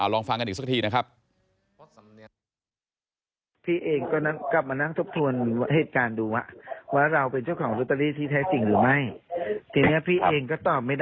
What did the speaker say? ลองฟังกันอีกสักทีนะครับ